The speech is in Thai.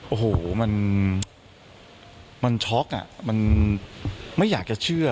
โอ้โหมันช็อกอ่ะมันไม่อยากจะเชื่อ